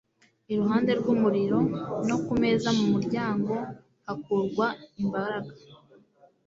Iruhande rw'umuriro, no ku meza mu muryango hakurwa imbaraga